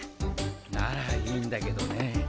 ならいいんだけどね。